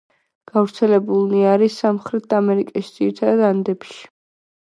გავრცელებულნი არიან სამხრეთ ამერიკაში, ძირითადად ანდებში.